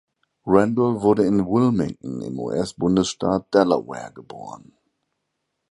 Rendell wurde in Wilmington im US-Bundesstaat Delaware geboren.